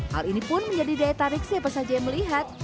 hal ini pun menjadi daya tarik siapa saja yang melihat